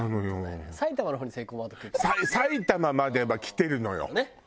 埼玉までは来てるのよ！